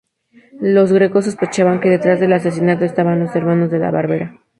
Los Greco sospechaban que detrás del asesinato estaban los hermanos La Barbera.